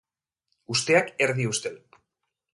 Usteak erdi ustel.